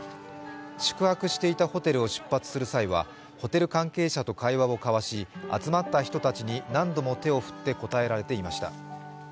宿泊していたホテルを出発する際はホテル関係者と会話を交わし、集まった人たちに何度も手を振って応えられていました。